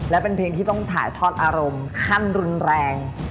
และเป็นเพลงที่ต้องถ่ายทอดอารมณ์ขั้นรุนแรง